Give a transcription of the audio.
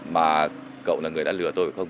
mà cậu là người đã lừa tôi không